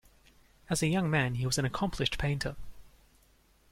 As a young man he was an accomplished painter.